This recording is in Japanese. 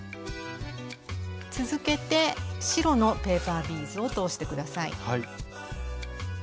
続けて白のペーパービーズを通して下さい。